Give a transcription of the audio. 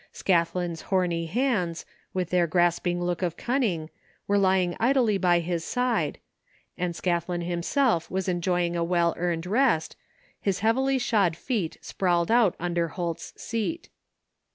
Scathlin's homy hands, with their g^rasping look of cunning, were lying idly by his side, and Scathlin himself was enjoying a well earned rest, his heavily shod feet sprawled out under Holt's seat.